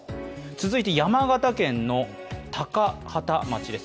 続いて山形県の高畠町です。